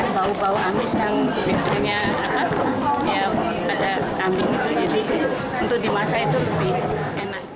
jadi untuk dimasak itu lebih enak